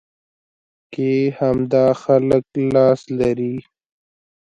کې همدا خلک لاس لري.